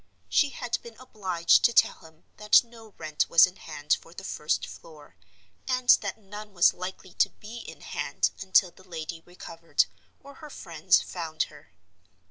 She had been obliged to tell him that no rent was in hand for the first floor, and that none was likely to be in hand until the lady recovered, or her friends found her.